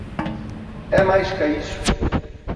É máis ca iso.